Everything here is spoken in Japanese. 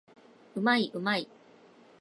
うまい